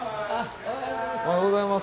おはようございます。